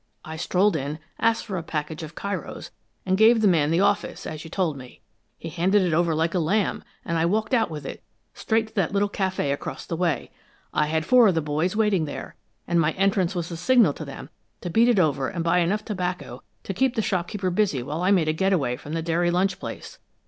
I strolled in, asked for a package of Cairos and gave the man the office, as you told me. He handed it over like a lamb, and I walked out with it, straight to that little café across the way. I had four of the boys waiting there, and my entrance was a signal to them to beat it over and buy enough tobacco to keep the shopkeeper busy while I made a getaway from the dairy lunch place.